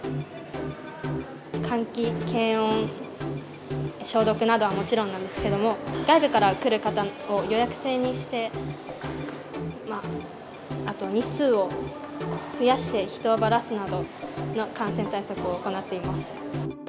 換気、検温、消毒などはもちろんなんですけども、外部から来る方を予約制にして、あと、日数を増やして、人をばらすなどの感染対策を行っています。